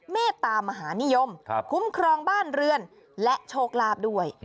เมตตามหานิยมคุ้มครองบ้านเรือนและโชคลาภด้วย